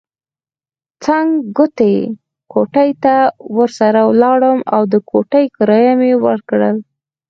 څنګ کوټې ته ورسره ولاړم او د کوټې کرایه مې ورکړل.